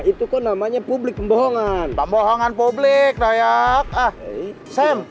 itu kau namanya publik pembohongan pembohongan publik dayak ah sam